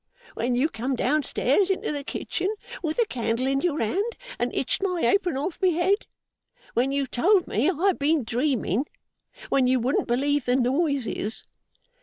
When you come down stairs into the kitchen with the candle in your hand, and hitched my apron off my head. When you told me I had been dreaming. When you wouldn't believe the noises.